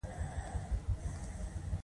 آیا پښتون د خپل عزت لپاره سر نه ورکوي؟